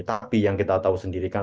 tapi yang kita tahu sendiri kan